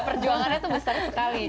perjuangannya tuh besar sekali